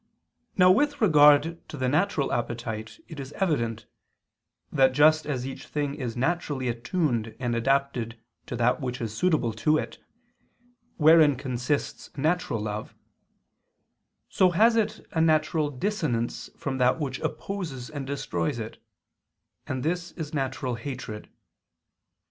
Now, with regard to the natural appetite, it is evident, that just as each thing is naturally attuned and adapted to that which is suitable to it, wherein consists natural love; so has it a natural dissonance from that which opposes and destroys it; and this is natural hatred.